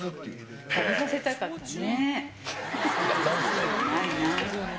食べさせたかったね。